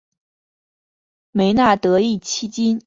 梅纳德迄今已发行过两张专辑。